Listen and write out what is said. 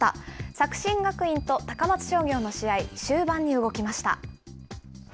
作新学院と高松商業の試合、終盤に動きました。